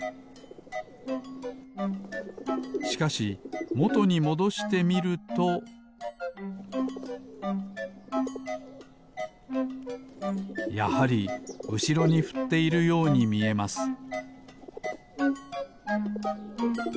しかしもとにもどしてみるとやはりうしろにふっているようにみえます